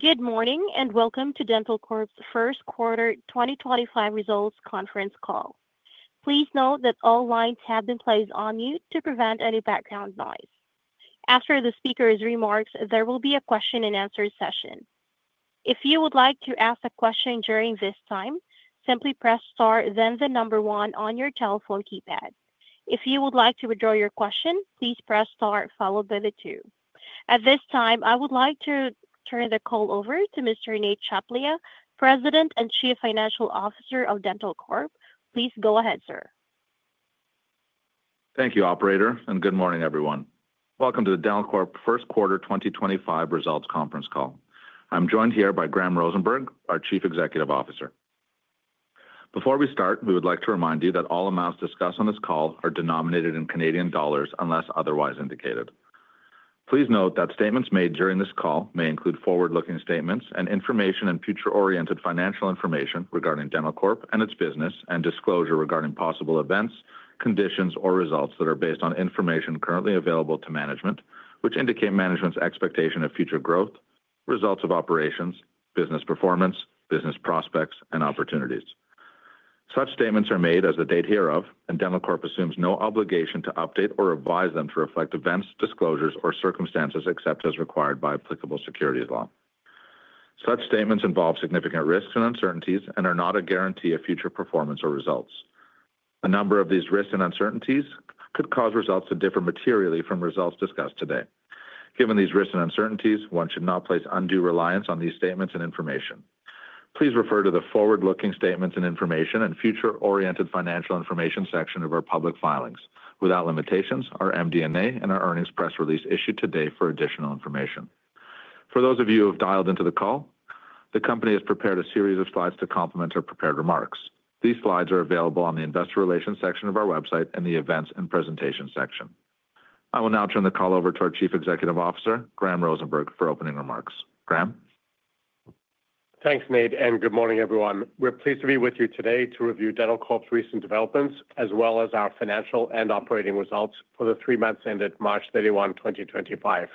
Good morning and welcome to Dentalcorp's First Quarter 2025 Results Conference Call. Please note that all lines have been placed on mute to prevent any background noise. After the speaker's remarks, there will be a question-and-answer session. If you would like to ask a question during this time, simply press Star, then the number one on your telephone keypad. If you would like to withdraw your question, please press Star, followed by the two. At this time, I would like to turn the call over to Mr. Nate Tchaplia, President and Chief Financial Officer of Dentalcorp. Please go ahead, sir. Thank you, Operator, and good morning, everyone. Welcome to the Dentalcorp First Quarter 2025 Results Conference Call. I'm joined here by Graham Rosenberg, our Chief Executive Officer. Before we start, we would like to remind you that all amounts discussed on this call are denominated in CAD unless otherwise indicated. Please note that statements made during this call may include forward-looking statements and information and future-oriented financial information regarding Dentalcorp and its business, and disclosure regarding possible events, conditions, or results that are based on information currently available to management, which indicate management's expectation of future growth, results of operations, business performance, business prospects, and opportunities. Such statements are made as of the date hereof, and Dentalcorp assumes no obligation to update or revise them to reflect events, disclosures, or circumstances except as required by applicable securities law. Such statements involve significant risks and uncertainties and are not a guarantee of future performance or results. A number of these risks and uncertainties could cause results to differ materially from results discussed today. Given these risks and uncertainties, one should not place undue reliance on these statements and information. Please refer to the forward-looking statements and information and future-oriented financial information section of our public filings, without limitations, our MD&A, and our earnings press release issued today for additional information. For those of you who have dialed into the call, the company has prepared a series of slides to complement our prepared remarks. These slides are available on the investor relations section of our website and the events and presentation section. I will now turn the call over to our Chief Executive Officer, Graham Rosenberg, for opening remarks. Graham. Thanks, Nate, and good morning, everyone. We're pleased to be with you today to review Dentalcorp's recent developments as well as our financial and operating results for the three months ended March 31, 2025.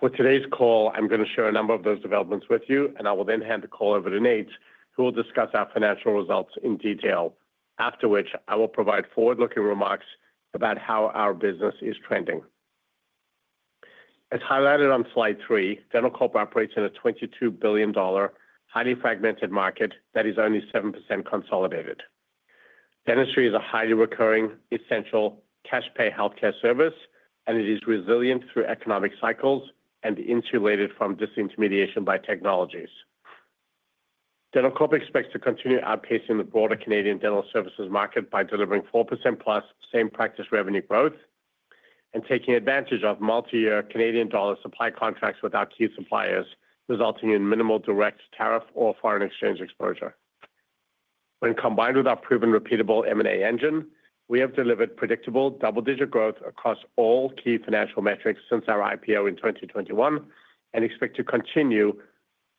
For today's call, I'm going to share a number of those developments with you, and I will then hand the call over to Nate, who will discuss our financial results in detail, after which I will provide forward-looking remarks about how our business is trending. As highlighted on slide three, Dentalcorp operates in a 22 billion dollar highly fragmented market that is only 7% consolidated. Dentistry is a highly recurring, essential cash-pay healthcare service, and it is resilient through economic cycles and insulated from disintermediation by technologies. Dentalcorp expects to continue outpacing the broader Canadian dental services market by delivering +4% same practice revenue growth and taking advantage of multi-year CAD supply contracts with our key suppliers, resulting in minimal direct tariff or foreign exchange exposure. When combined with our proven repeatable M&A engine, we have delivered predictable double-digit growth across all key financial metrics since our IPO in 2021 and expect to continue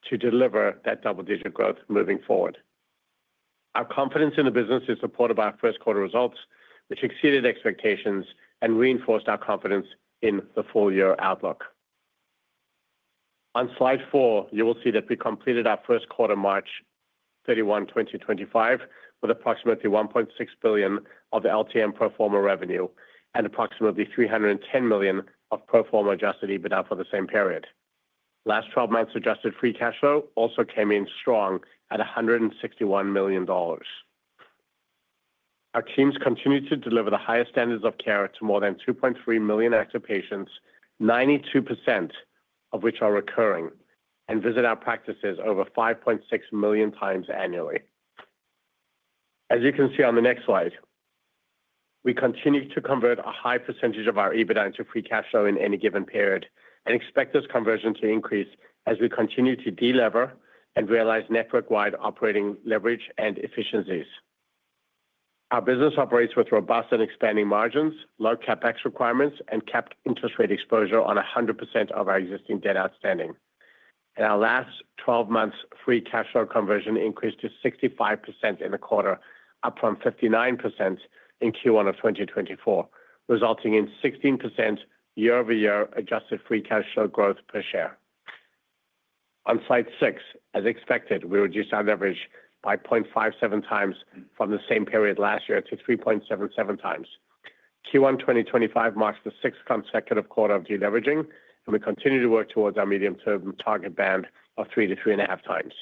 to deliver that double-digit growth moving forward. Our confidence in the business is supported by our first quarter results, which exceeded expectations and reinforced our confidence in the full-year outlook. On slide four, you will see that we completed our first quarter, March 31, 2025, with approximately 1.6 billion of LTM pro forma revenue and approximately 310 million of pro forma adjusted EBITDA for the same period. Last 12 months' adjusted free cash flow also came in strong at 161 million dollars. Our teams continue to deliver the highest standards of care to more than 2.3 million active patients, 92% of which are recurring, and visit our practices over 5.6 million times annually. As you can see on the next slide, we continue to convert a high percentage of our EBITDA into free cash flow in any given period and expect this conversion to increase as we continue to delever and realize network-wide operating leverage and efficiencies. Our business operates with robust and expanding margins, low CapEx requirements, and capped interest rate exposure on 100% of our existing debt outstanding. In our last 12 months, free cash flow conversion increased to 65% in the quarter, up from 59% in Q1 of 2024, resulting in 16% year-over-year adjusted free cash flow growth per share. On slide six, as expected, we reduced our leverage by 0.57x from the same period last year to 3.77x. Q1 2025 marks the sixth consecutive quarter of deleveraging, and we continue to work towards our medium-term target band of three to three and a half times.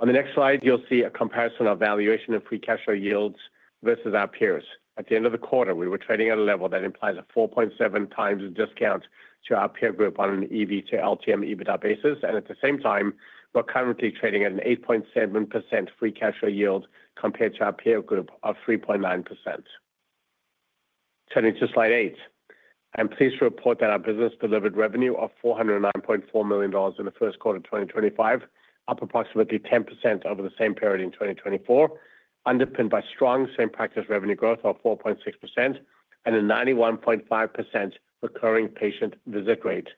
On the next slide, you'll see a comparison of valuation and free cash flow yields versus our peers. At the end of the quarter, we were trading at a level that implies a 4.7x discount to our peer group on an EV to LTM EBITDA basis, and at the same time, we're currently trading at an 8.7% free cash flow yield compared to our peer group of 3.9%. Turning to slide eight, I'm pleased to report that our business delivered revenue of 409.4 million dollars in the first quarter of 2025, up approximately 10% over the same period in 2024, underpinned by strong same practice revenue growth of 4.6% and a 91.5% recurring patient visit rate,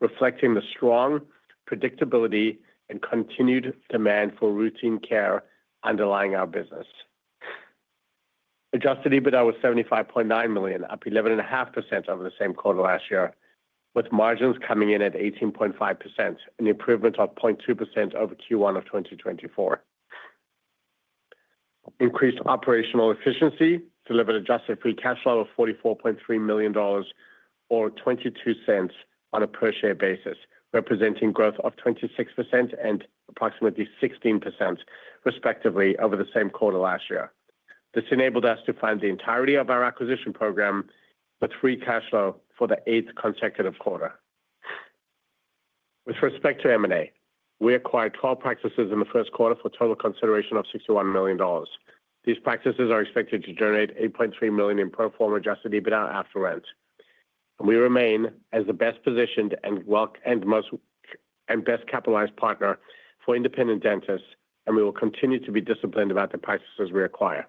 reflecting the strong predictability and continued demand for routine care underlying our business. Adjusted EBITDA was 75.9 million, up 11.5% over the same quarter last year, with margins coming in at 18.5%, an improvement of 0.2% over Q1 of 2024. Increased operational efficiency delivered adjusted free cash flow of 44.3 million dollars or 0.22 on a per-share basis, representing growth of 26% and approximately 16%, respectively, over the same quarter last year. This enabled us to fund the entirety of our acquisition program with free cash flow for the eighth consecutive quarter. With respect to M&A, we acquired 12 practices in the first quarter for a total consideration of 61 million dollars. These practices are expected to generate 8.3 million in pro forma adjusted EBITDA after rent. We remain as the best positioned and best capitalized partner for independent dentists, and we will continue to be disciplined about the practices we acquire.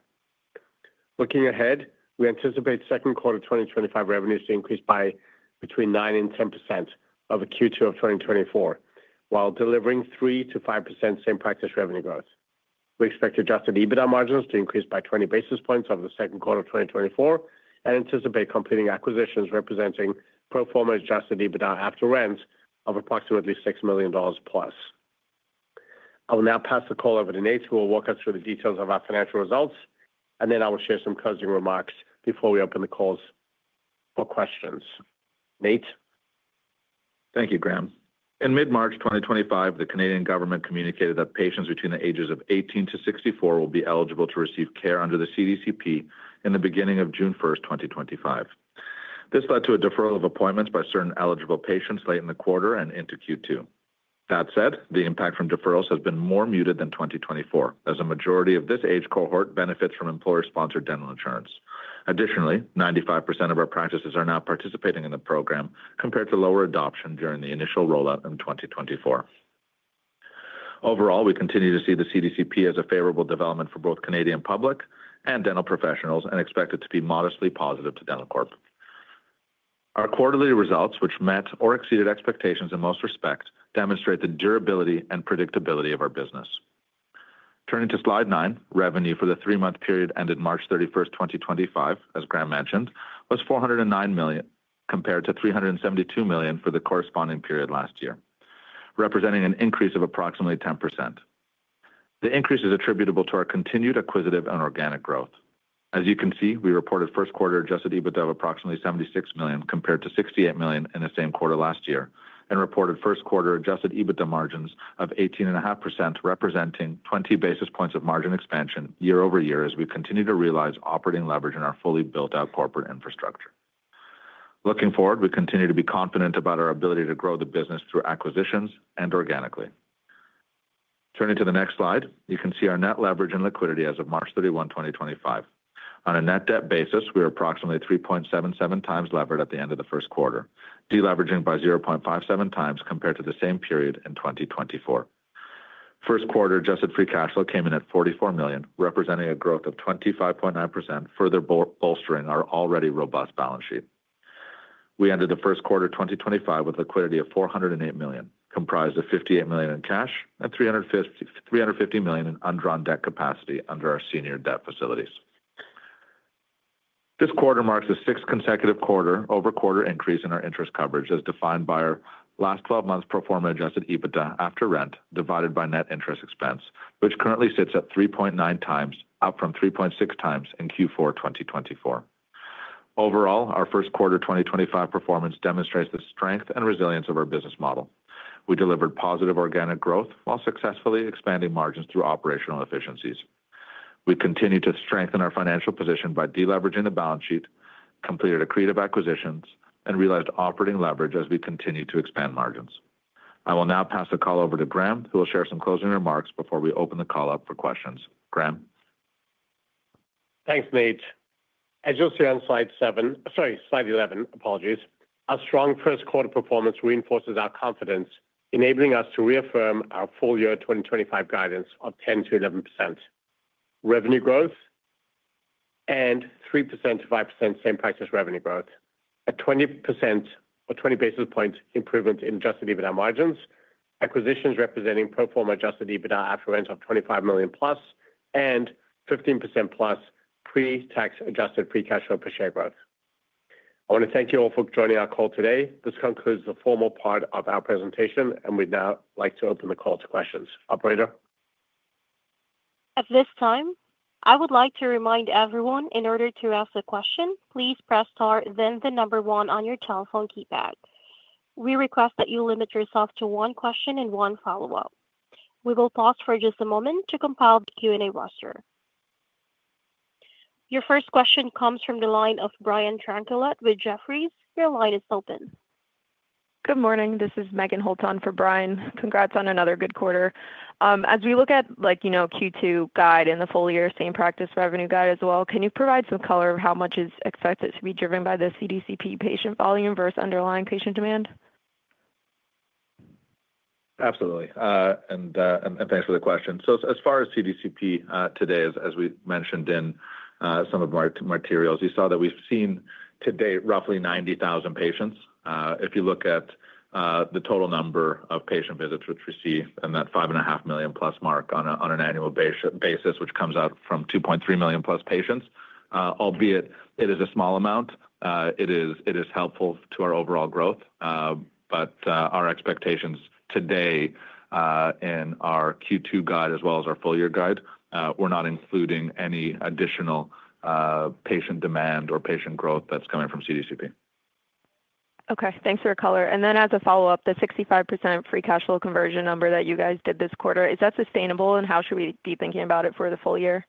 Looking ahead, we anticipate second quarter 2025 revenues to increase by between 9% and 10% over Q2 of 2024, while delivering 3%-5% same practice revenue growth. We expect adjusted EBITDA margins to increase by 20 basis points over the second quarter of 2024 and anticipate completing acquisitions representing pro forma adjusted EBITDA after rent of approximately +6 million dollars. I will now pass the call over to Nate, who will walk us through the details of our financial results, and then I will share some closing remarks before we open the calls for questions. Nate? Thank you, Graham. In mid-March 2025, the Canadian government communicated that patients between the ages of 18 to 64 will be eligible to receive care under the CDCP in the beginning of June 1, 2025. This led to a deferral of appointments by certain eligible patients late in the quarter and into Q2. That said, the impact from deferrals has been more muted than 2024, as a majority of this age cohort benefits from employer-sponsored dental insurance. Additionally, 95% of our practices are now participating in the program compared to lower adoption during the initial rollout in 2024. Overall, we continue to see the CDCP as a favorable development for both Canadian public and dental professionals and expect it to be modestly positive to Dentalcorp. Our quarterly results, which met or exceeded expectations in most respects, demonstrate the durability and predictability of our business. Turning to slide nine, revenue for the three-month period ended March 31, 2025, as Graham mentioned, was 409 million compared to 372 million for the corresponding period last year, representing an increase of approximately 10%. The increase is attributable to our continued acquisitive and organic growth. As you can see, we reported first quarter adjusted EBITDA of approximately 76 million compared to 68 million in the same quarter last year and reported first quarter adjusted EBITDA margins of 18.5%, representing 20 basis points of margin expansion year-over-year as we continue to realize operating leverage in our fully built-out corporate infrastructure. Looking forward, we continue to be confident about our ability to grow the business through acquisitions and organically. Turning to the next slide, you can see our net leverage and liquidity as of March 31, 2025. On a net debt basis, we were approximately 3.77x levered at the end of the first quarter, deleveraging by 0.57x compared to the same period in 2024. First quarter adjusted free cash flow came in at 44 million, representing a growth of 25.9%, further bolstering our already robust balance sheet. We ended the first quarter 2025 with liquidity of 408 million, comprised of 58 million in cash and 350 million in undrawn debt capacity under our senior debt facilities. This quarter marks a sixth consecutive quarter-over-quarter increase in our interest coverage, as defined by our last twelve months' pro forma adjusted EBITDA after rent divided by net interest expense, which currently sits at 3.9x, up from 3.6x in Q4 2024. Overall, our first quarter 2025 performance demonstrates the strength and resilience of our business model. We delivered positive organic growth while successfully expanding margins through operational efficiencies. We continue to strengthen our financial position by deleveraging the balance sheet, completed accretive acquisitions, and realized operating leverage as we continue to expand margins. I will now pass the call over to Graham, who will share some closing remarks before we open the call up for questions. Graham? Thanks, Nate. As you'll see on slide seven—sorry, slide 11, apologies—our strong first quarter performance reinforces our confidence, enabling us to reaffirm our full-year 2025 guidance of 10-11% revenue growth and 3-5% same practice revenue growth, a 20% or 20 basis point improvement in adjusted EBITDA margins, acquisitions representing pro forma adjusted EBITDA after rent of 25 million +, and +15% pre-tax adjusted free cash flow per share growth. I want to thank you all for joining our call today. This concludes the formal part of our presentation, and we'd now like to open the call to questions. Operator? At this time, I would like to remind everyone in order to ask a question, please press star, then the number one on your telephone keypad. We request that you limit yourself to one question and one follow-up. We will pause for just a moment to compile the Q&A roster. Your first question comes from the line of Brian Tranquillette with Jefferies. Your line is open. Good morning. This is Meghan Holtz on for Brian. Congrats on another good quarter. As we look at Q2 guide and the full-year same practice revenue guide as well, can you provide some color of how much is expected to be driven by the CDCP patient volume versus underlying patient demand? Absolutely. Thanks for the question. As far as CDCP today, as we mentioned in some of my materials, you saw that we have seen today roughly 90,000 patients. If you look at the total number of patient visits, which we see in that +5.5 million mark on an annual basis, which comes out from +2.3 million patients, albeit it is a small amount, it is helpful to our overall growth. Our expectations today in our Q2 guide as well as our full-year guide are not including any additional patient demand or patient growth that is coming from CDCP. Okay. Thanks for the color. As a follow-up, the 65% free cash flow conversion number that you guys did this quarter, is that sustainable, and how should we be thinking about it for the full year?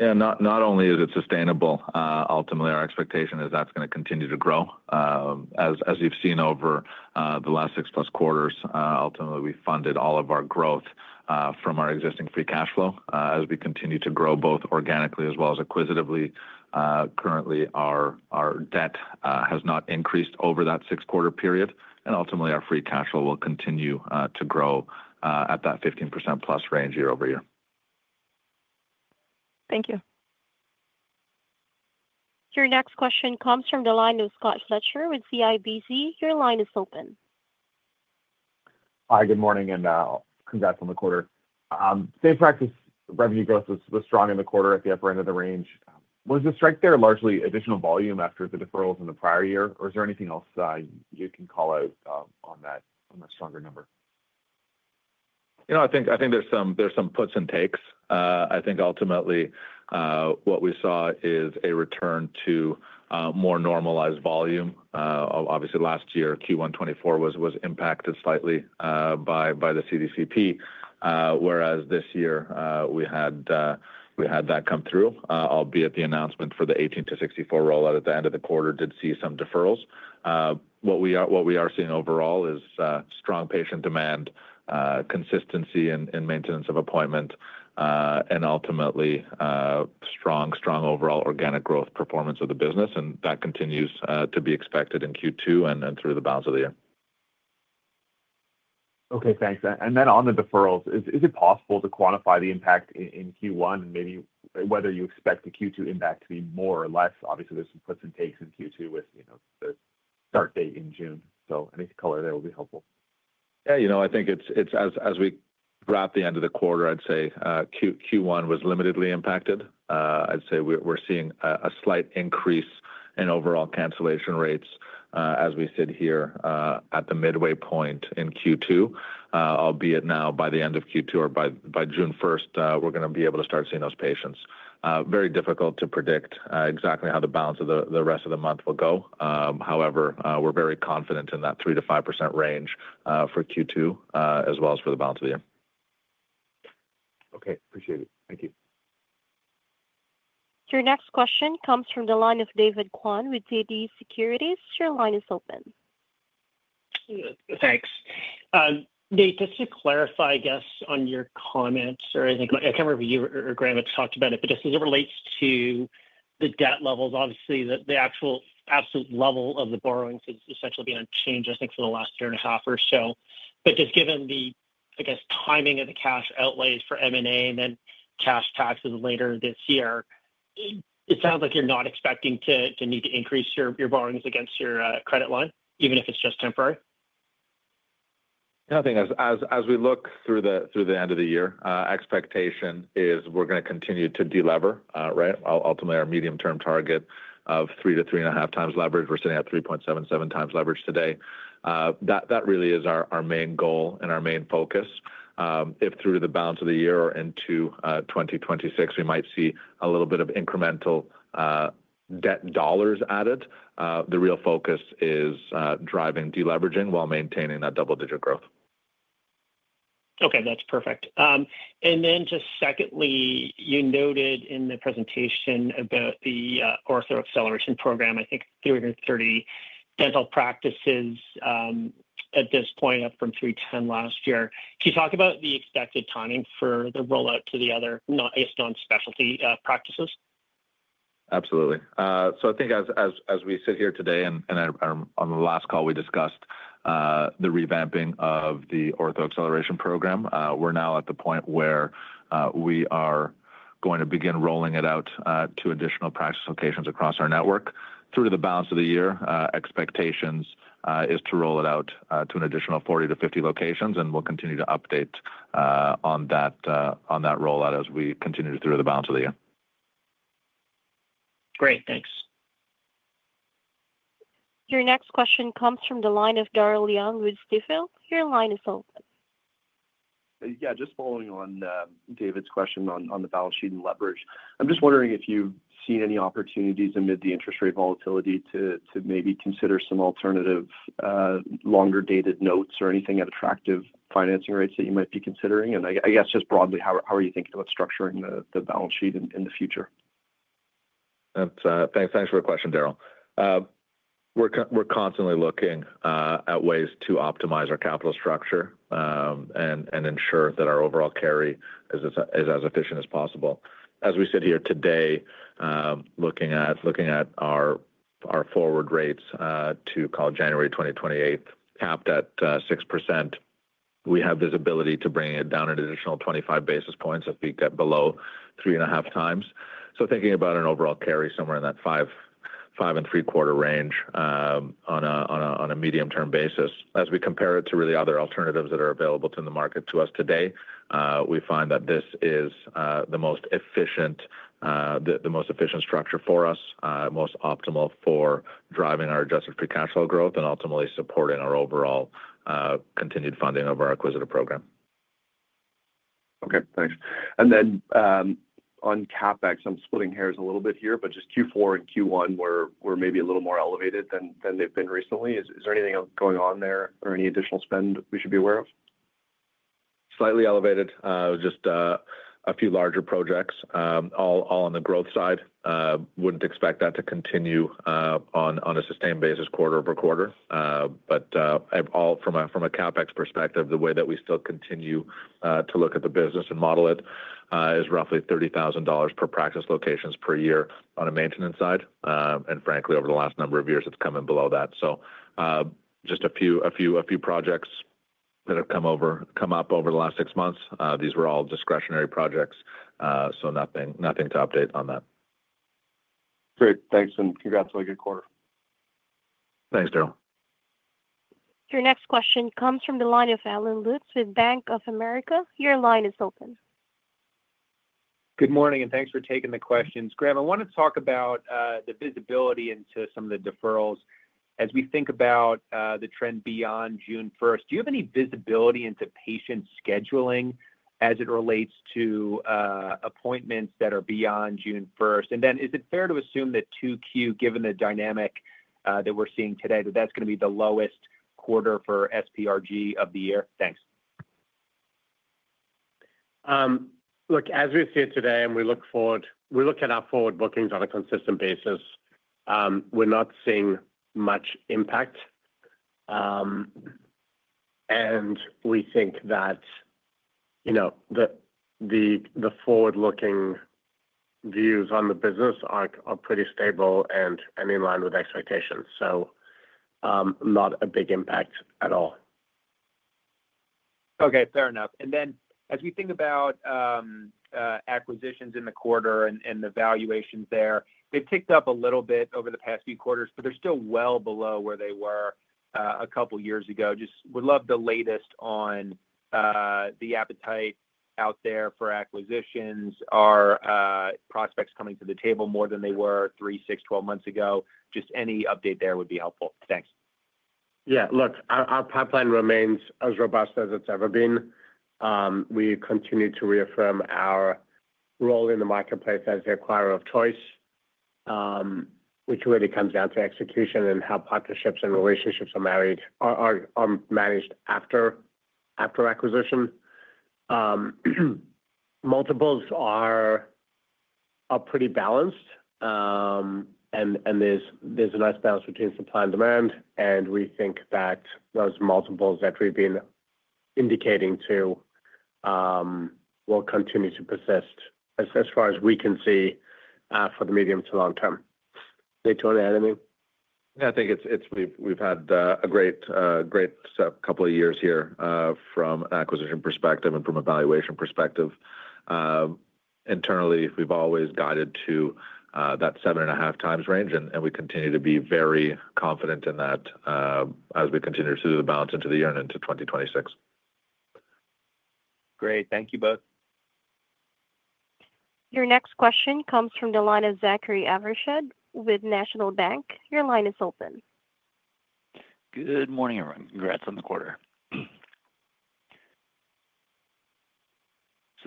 Yeah. Not only is it sustainable, ultimately our expectation is that's going to continue to grow. As you've seen over the last six plus quarters, ultimately we funded all of our growth from our existing free cash flow. As we continue to grow both organically as well as acquisitively, currently our debt has not increased over that six-quarter period, and ultimately our free cash flow will continue to grow at that +15% range year over year. Thank you. Your next question comes from the line of Scott Fletcher with CIBC. Your line is open. Hi, good morning, and congrats on the quarter. Same practice revenue growth was strong in the quarter at the upper end of the range. Was the strength there largely additional volume after the deferrals in the prior year, or is there anything else you can call out on that stronger number? You know, I think there's some puts and takes. I think ultimately what we saw is a return to more normalized volume. Obviously, last year, Q1 2024 was impacted slightly by the CDCP, whereas this year we had that come through, albeit the announcement for the 18-64 rollout at the end of the quarter did see some deferrals. What we are seeing overall is strong patient demand, consistency in maintenance of appointment, and ultimately strong overall organic growth performance of the business, and that continues to be expected in Q2 and through the balance of the year. Okay. Thanks. And then on the deferrals, is it possible to quantify the impact in Q1 and maybe whether you expect the Q2 impact to be more or less? Obviously, there's some puts and takes in Q2 with the start date in June. Any color there will be helpful. Yeah. You know, I think as we wrap the end of the quarter, I'd say Q1 was limitedly impacted. I'd say we're seeing a slight increase in overall cancellation rates as we sit here at the midway point in Q2, albeit now by the end of Q2 or by June 1, we're going to be able to start seeing those patients. Very difficult to predict exactly how the balance of the rest of the month will go. However, we're very confident in that 3-5% range for Q2 as well as for the balance of the year. Okay. Appreciate it. Thank you. Your next question comes from the line of David Kwan with TD Securities. Your line is open. Thanks. Nate, just to clarify, I guess, on your comments, or I think I can't remember if you or Graham had talked about it, but just as it relates to the debt levels, obviously the actual absolute level of the borrowings is essentially being unchanged, I think, for the last year and a half or so. Just given the, I guess, timing of the cash outlays for M&A and then cash taxes later this year, it sounds like you're not expecting to need to increase your borrowings against your credit line, even if it's just temporary? Yeah. I think as we look through the end of the year, expectation is we're going to continue to delever, right? Ultimately, our medium-term target of 3-3.5x leverage, we're sitting at 3.77x leverage today. That really is our main goal and our main focus. If through to the balance of the year or into 2026, we might see a little bit of incremental debt dollars added. The real focus is driving deleveraging while maintaining that double-digit growth. Okay. That's perfect. Then just secondly, you noted in the presentation about the Ortho Acceleration Program, I think 330 dental practices at this point, up from 310 last year. Can you talk about the expected timing for the rollout to the other, I guess, non-specialty practices? Absolutely. I think as we sit here today and on the last call, we discussed the revamping of the Ortho Acceleration Program. We are now at the point where we are going to begin rolling it out to additional practice locations across our network. Through to the balance of the year, expectations is to roll it out to an additional 40-50 locations, and we will continue to update on that rollout as we continue through to the balance of the year. Great. Thanks. Your next question comes from the line of Daryl Young with Stifel. Your line is open. Yeah. Just following on David's question on the balance sheet and leverage, I'm just wondering if you've seen any opportunities amid the interest rate volatility to maybe consider some alternative longer-dated notes or anything at attractive financing rates that you might be considering? I guess just broadly, how are you thinking about structuring the balance sheet in the future? Thanks for the question, Daryl. We're constantly looking at ways to optimize our capital structure and ensure that our overall carry is as efficient as possible. As we sit here today, looking at our forward rates to call January 2028 capped at 6%, we have visibility to bring it down an additional 25 basis points if we get below 3.5x. Thinking about an overall carry somewhere in that five and three-quarter range on a medium-term basis, as we compare it to really other alternatives that are available to the market to us today, we find that this is the most efficient structure for us, most optimal for driving our adjusted free cash flow growth, and ultimately supporting our overall continued funding of our acquisitive program. Okay. Thanks. On CapEx, I'm splitting hairs a little bit here, but just Q4 and Q1 were maybe a little more elevated than they've been recently. Is there anything going on there or any additional spend we should be aware of? Slightly elevated, just a few larger projects, all on the growth side. Would not expect that to continue on a sustained basis quarter over quarter. From a CapEx perspective, the way that we still continue to look at the business and model it is roughly 30,000 dollars per practice location per year on a maintenance side. Frankly, over the last number of years, it has come in below that. Just a few projects that have come up over the last six months. These were all discretionary projects, nothing to update on that. Great. Thanks. Congrats on a good quarter. Thanks, Daryl. Your next question comes from the line of Allen Lutz with Bank of America. Your line is open. Good morning, and thanks for taking the questions. Graham, I want to talk about the visibility into some of the deferrals as we think about the trend beyond June 1. Do you have any visibility into patient scheduling as it relates to appointments that are beyond June 1? Is it fair to assume that 2Q, given the dynamic that we're seeing today, that that's going to be the lowest quarter for SPRG of the year? Thanks. Look, as we sit today and we look at our forward bookings on a consistent basis, we're not seeing much impact. We think that the forward-looking views on the business are pretty stable and in line with expectations. Not a big impact at all. Okay. Fair enough. As we think about acquisitions in the quarter and the valuations there, they've ticked up a little bit over the past few quarters, but they're still well below where they were a couple of years ago. Just would love the latest on the appetite out there for acquisitions. Are prospects coming to the table more than they were 3, 6, 12 months ago? Just any update there would be helpful. Thanks. Yeah. Look, our pipeline remains as robust as it's ever been. We continue to reaffirm our role in the marketplace as the acquirer of choice, which really comes down to execution and how partnerships and relationships are managed after acquisition. Multiples are pretty balanced, and there's a nice balance between supply and demand. We think that those multiples that we've been indicating to will continue to persist as far as we can see for the medium to long term. Nate, do you want to add anything? Yeah. I think we've had a great couple of years here from an acquisition perspective and from a valuation perspective. Internally, we've always guided to that 7.5x range, and we continue to be very confident in that as we continue to see the balance into the year and into 2026. Great. Thank you both. Your next question comes from the line of Zachary Evershed with National Bank. Your line is open. Good morning, everyone. Congrats on the quarter.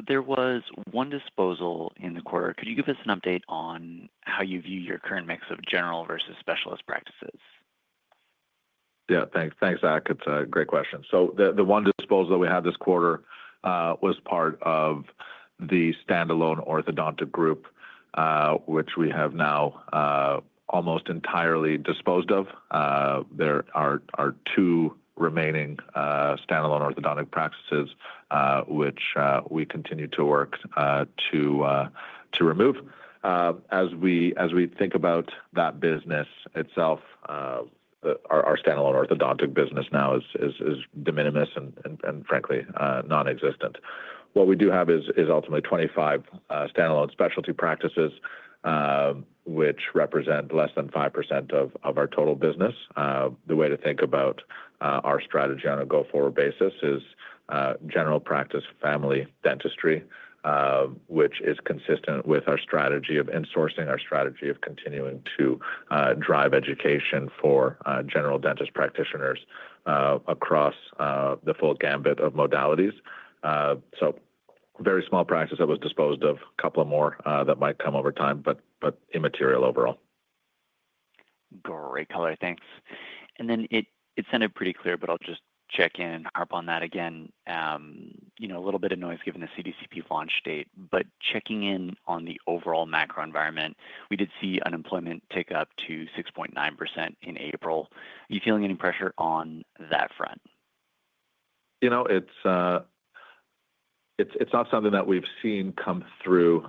There was one disposal in the quarter. Could you give us an update on how you view your current mix of general versus specialist practices? Yeah. Thanks, Zach. It's a great question. The one disposal that we had this quarter was part of the standalone orthodontic group, which we have now almost entirely disposed of. There are two remaining standalone orthodontic practices which we continue to work to remove. As we think about that business itself, our standalone orthodontic business now is de minimis and frankly nonexistent. What we do have is ultimately 25 standalone specialty practices, which represent less than 5% of our total business. The way to think about our strategy on a go-forward basis is general practice family dentistry, which is consistent with our strategy of insourcing, our strategy of continuing to drive education for general dentist practitioners across the full gambit of modalities. Very small practice that was disposed of, a couple more that might come over time, but immaterial overall. Great, Color. Thanks. It sounded pretty clear, but I'll just check in and harp on that again. A little bit of noise given the CDCP launch date, but checking in on the overall macro environment, we did see unemployment tick up to 6.9% in April. Are you feeling any pressure on that front? You know, it's not something that we've seen come through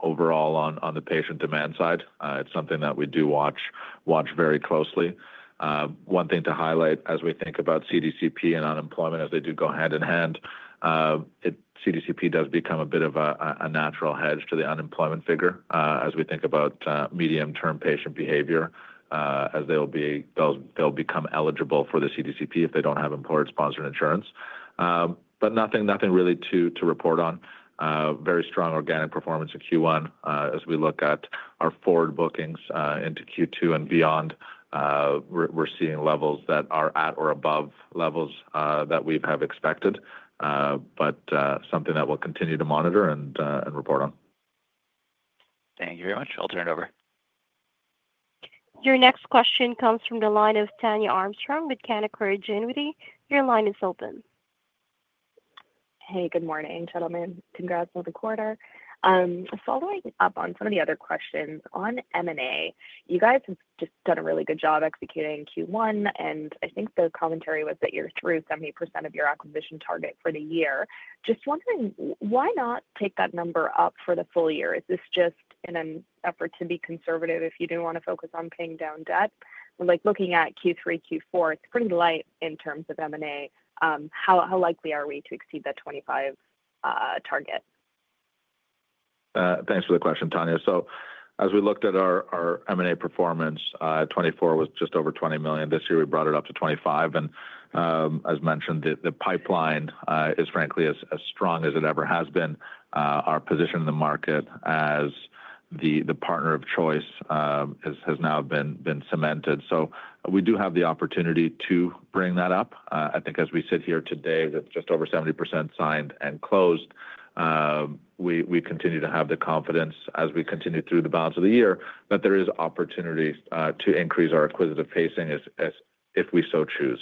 overall on the patient demand side. It's something that we do watch very closely. One thing to highlight as we think about CDCP and unemployment, as they do go hand in hand, CDCP does become a bit of a natural hedge to the unemployment figure as we think about medium-term patient behavior, as they'll become eligible for the CDCP if they don't have employer-sponsored insurance. Nothing really to report on. Very strong organic performance in Q1. As we look at our forward bookings into Q2 and beyond, we're seeing levels that are at or above levels that we have expected, but something that we'll continue to monitor and report on. Thank you very much. I'll turn it over. Your next question comes from the line of Tania Armstrong with Canaccord Genuity. Your line is open. Hey, good morning, gentlemen. Congrats on the quarter. Following up on some of the other questions on M&A, you guys have just done a really good job executing Q1, and I think the commentary was that you're through 70% of your acquisition target for the year. Just wondering, why not take that number up for the full year? Is this just in an effort to be conservative if you do want to focus on paying down debt? Looking at Q3, Q4, it's pretty light in terms of M&A. How likely are we to exceed that 25 target? Thanks for the question, Tanya. As we looked at our M&A performance, 2024 was just over 20 million. This year, we brought it up to 25 million. As mentioned, the pipeline is frankly as strong as it ever has been. Our position in the market as the partner of choice has now been cemented. We do have the opportunity to bring that up. I think as we sit here today, that is just over 70% signed and closed. We continue to have the confidence as we continue through the balance of the year that there is opportunity to increase our acquisitive pacing if we so choose.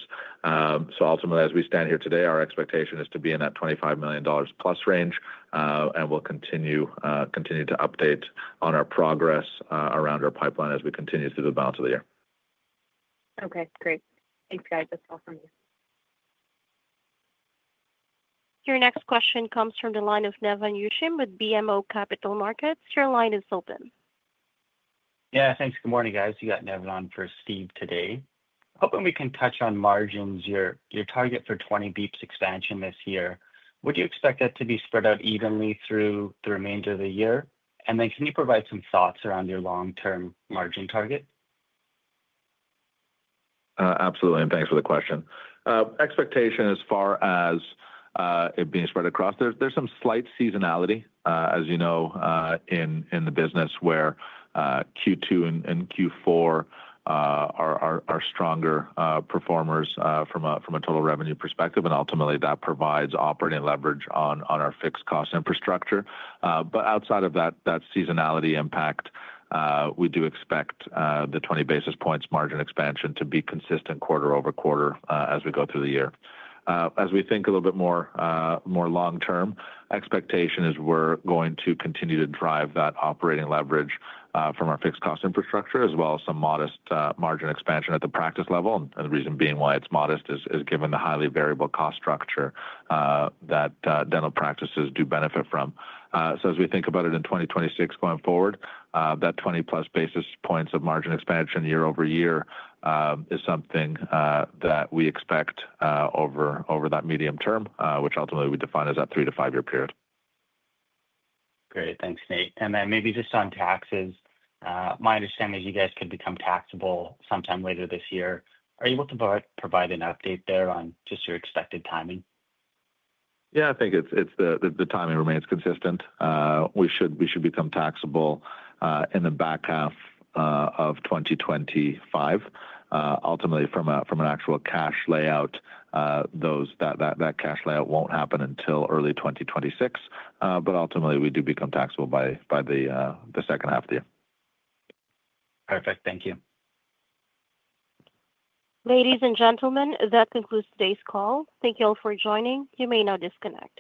Ultimately, as we stand here today, our expectation is to be in that 25 million dollars range, and we will continue to update on our progress around our pipeline as we continue through the balance of the year. Okay. Great. Thanks, guys. That's all from me. Your next question comes from the line of Nevan Yochim with BMO Capital Markets. Your line is open. Yeah. Thanks. Good morning, guys. You got Nevan on for Steve today. Hoping we can touch on margins. Your target for 20 basis points expansion this year, would you expect that to be spread out evenly through the remainder of the year? Can you provide some thoughts around your long-term margin target? Absolutely. Thanks for the question. Expectation as far as it being spread across, there's some slight seasonality, as you know, in the business where Q2 and Q4 are stronger performers from a total revenue perspective. Ultimately, that provides operating leverage on our fixed cost infrastructure. Outside of that seasonality impact, we do expect the 20 basis points margin expansion to be consistent quarter over quarter as we go through the year. As we think a little bit more long-term, expectation is we're going to continue to drive that operating leverage from our fixed cost infrastructure, as well as some modest margin expansion at the practice level. The reason being why it's modest is given the highly variable cost structure that dental practices do benefit from. As we think about it in 2026 going forward, that +20 basis points of margin expansion year over year is something that we expect over that medium term, which ultimately we define as that three to five-year period. Great. Thanks, Nate. Maybe just on taxes, my understanding is you guys could become taxable sometime later this year. Are you able to provide an update there on just your expected timing? Yeah. I think the timing remains consistent. We should become taxable in the back half of 2025. Ultimately, from an actual cash layout, that cash layout will not happen until early 2026. Ultimately, we do become taxable by the second half of the year. Perfect. Thank you. Ladies and gentlemen, that concludes today's call. Thank you all for joining. You may now disconnect.